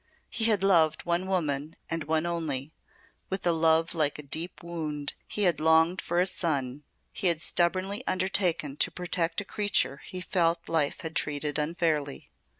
He had loved one woman, and one only with a love like a deep wound; he had longed for a son; he had stubbornly undertaken to protect a creature he felt life had treated unfairly.